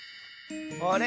あれ？